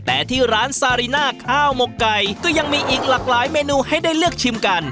แต่ที่ร้านซาริน่าข้าวหมกไก่ก็ยังมีอีกหลากหลายเมนูให้ได้เลือกชิมกัน